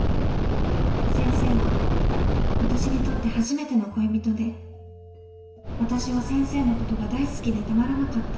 先生は私にとって初めての恋人で私は先生のことが大好きでたまらなかった。